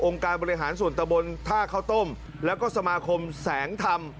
การบริหารส่วนตะบนท่าข้าวต้มแล้วก็สมาคมแสงธรรม